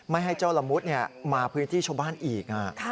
ไม่ให้เจ้าละมุดมาพื้นที่ชาวบ้านอีก